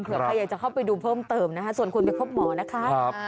ใครอยากจะเข้าไปดูเพิ่มเติมนะคะส่วนคุณไปพบหมอนะคะ